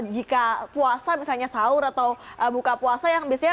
jika puasa misalnya sahur atau buka puasa gitu kan